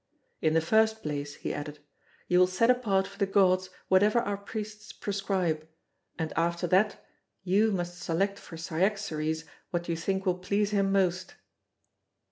In the first place," he added, "you will set apart for the gods whatever our priests prescribe, and after that you must select for Cyaxares what you think will please him most."